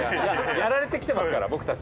やられてきてますから僕たち。